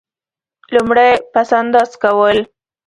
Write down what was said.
لومړی: پس انداز کول.